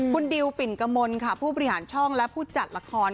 คุณดิวปิ่นกมลค่ะผู้บริหารช่องและผู้จัดละคร